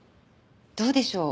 どうでしょう。